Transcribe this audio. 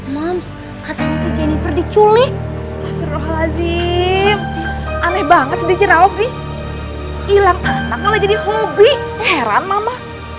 moms jennifer diculik aneh banget sedih ciraos nih hilang anak malah jadi hobi heran mama